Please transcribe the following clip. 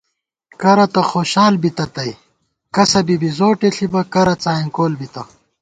کرہ تہ خوشال بِتہ تئ، کسہ بی بِزوٹےݪِبہ کرہ څائیں کول بِتہ